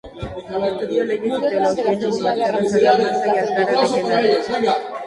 Estudió Leyes y Teología en las Universidades de Salamanca y Alcalá de Henares.